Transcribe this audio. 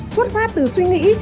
xuất phát từ suy nghĩ